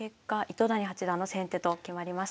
糸谷八段の先手と決まりました。